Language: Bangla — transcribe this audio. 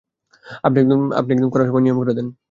আপনি একদম কড়া নিয়ম করে দেন।